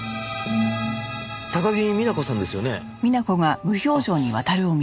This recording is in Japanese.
高木美奈子さんですよね？